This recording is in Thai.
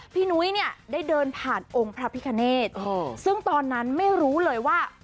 นุ้ยเนี่ยได้เดินผ่านองค์พระพิคเนตซึ่งตอนนั้นไม่รู้เลยว่า